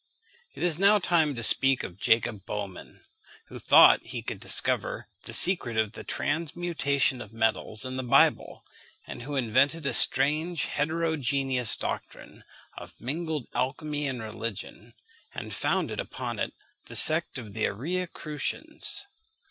It is now time to speak of Jacob Böhmen, who thought he could discover the secret of the transmutation of metals in the Bible, and who invented a strange heterogeneous doctrine of mingled alchymy and religion, and founded upon it the sect of the Aurea crucians.